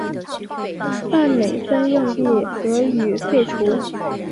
半美分硬币则予废除。